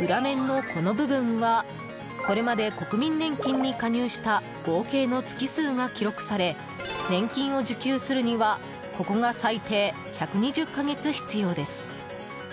裏面のこの部分はこれまで国民年金に加入した合計の月数が記録され年金を受給するにはここが最低１２０か月必要です。